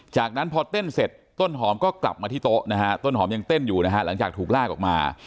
จากนั้นพอเต้นเสร็จต้นหอมก็กลับมาที่โต๊ะนะฮะต้นหอมยังเต้นอยู่นะฮะหลังจากถูกลากออกมา